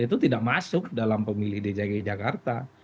itu tidak masuk dalam pemilih dki jakarta